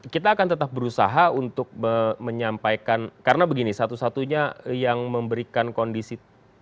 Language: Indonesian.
kita akan tetap berusaha untuk menyampaikan karena begini satu satunya yang memberikan kondisi